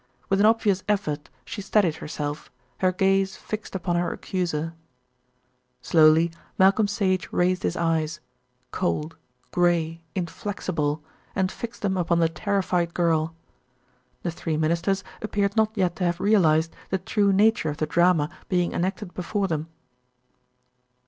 With an obvious effort she steadied herself, her gaze fixed upon her accuser. Slowly Malcolm Sage raised his eyes, cold, grey, inflexible, and fixed them upon the terrified girl. The three Ministers appeared not yet to have realised the true nature of the drama being enacted before them.